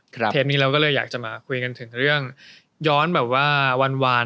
เทปนี้เราก็เลยอยากจะมาคุยกันถึงเรื่องย้อนแบบว่าวาน